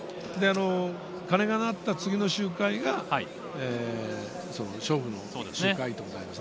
鐘が鳴った次の周回が、勝負の周回となります。